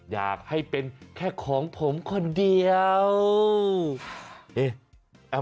อยากให้เป็นแค่ของผมคนเดียว